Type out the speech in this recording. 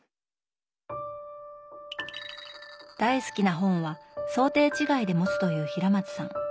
大好きな本は装丁違いで持つという平松さん。